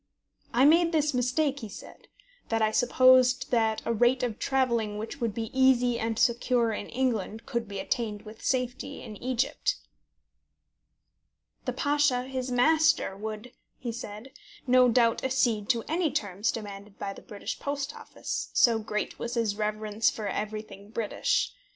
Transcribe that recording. I made this mistake, he said, that I supposed that a rate of travelling which would be easy and secure in England could be attained with safety in Egypt. "The Pasha, his master, would," he said, "no doubt accede to any terms demanded by the British Post Office, so great was his reverence for everything British.